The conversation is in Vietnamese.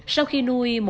sau khi nuôi